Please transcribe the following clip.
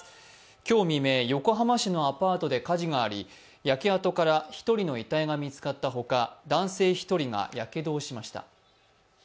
今日未明、横浜市のアパートで火事があり、焼け跡から１人の遺体が見つかったほか、男性１人がやけどをしました。